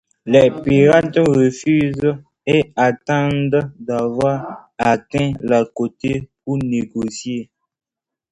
Les pirates refusent et attendent d'avoir atteint la côte pour négocier.